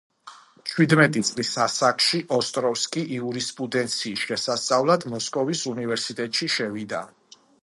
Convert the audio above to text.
ჩვიდმეტი წლის ასაკში, ოსტროვსკი იურისპუდენციის შესასწავლად მოსკოვის უნივერსიტეტში შევიდა.